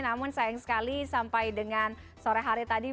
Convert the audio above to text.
namun sayang sekali sampai dengan sore hari tadi